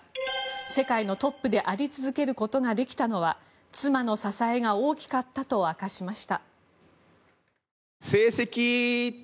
世界のトップであり続けることができたのは妻の支えが大きかったと明かしました。